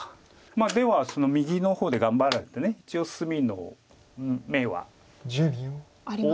まあ出はその右の方で頑張られて一応隅の眼は。ありますか？